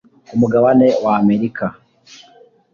ku mugabane wa Amerika